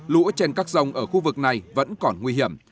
lũ trên các rông ở khu vực này vẫn còn nguy hiểm